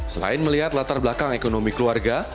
selain melihat latar belakang ekonomi keluarga